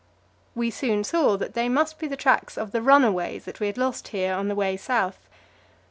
We soon saw that they must be the tracks of the runaways that we had lost here on the way south.